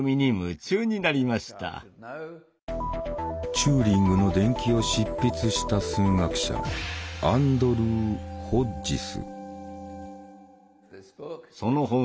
チューリングの伝記を執筆した数学者アンドルー・ホッジス。